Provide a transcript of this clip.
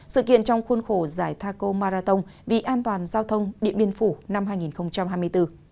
sự kiện trong khuôn khổ giải thaco marathon vì an toàn giao thông điện biên phủ năm hai nghìn hai mươi bốn